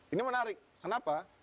ini menarik kenapa